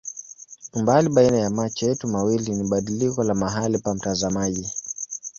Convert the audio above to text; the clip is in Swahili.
Umbali baina ya macho yetu mawili ni badiliko la mahali pa mtazamaji.